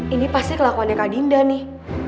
ini pasti kelakuannya kak dinda nih